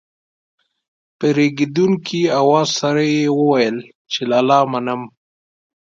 په رېږېدونکي اواز سره يې وويل چې لالا منم.